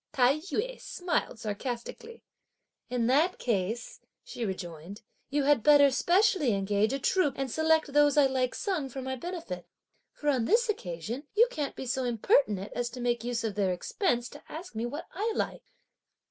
Tai yü smiled sarcastically. "In that case," she rejoined, "you had better specially engage a troupe and select those I like sung for my benefit; for on this occasion you can't be so impertinent as to make use of their expense to ask me what I like!"